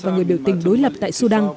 và người biểu tình đối lập tại sudan